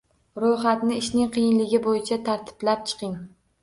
Ro’yxatni ishning qiyinligi bo’yicha tartiblab chiqing